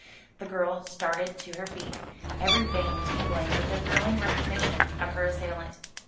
The girl started to her feet, every vein tingling with the thrilling recognition of her assailant.